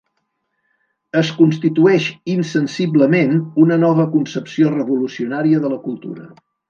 Es constitueix insensiblement una nova concepció revolucionària de la cultura.